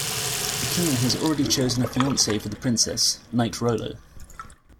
The King has already chosen a fiance for the Princess, Knight Rolo.